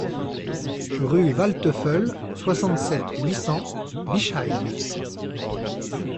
Rue Waldteufel, soixante-sept, huit cents Bischheim